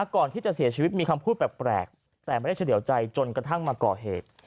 ก่อนที่จะเสียชีวิตมีคำพูดแปลกแต่ไม่ได้เฉลี่ยวใจจนกระทั่งมาก่อเหตุ